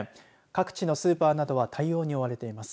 各地のスーパーなどは対応に追われています。